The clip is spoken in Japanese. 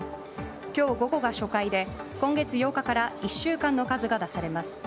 今日午後が初回で今月８日から１週間の数が出されます。